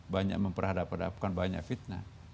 banyak memperhadapkan banyak fitnah